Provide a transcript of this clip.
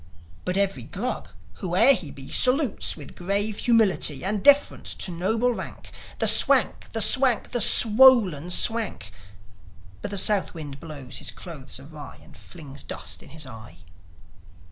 But every Glug, whoe'er he be, Salutes, with grave humility And deference to noble rank, The Swank, the Swank, the swollen Swank; But the South wind blows his clothes awry, And flings dust in his eye.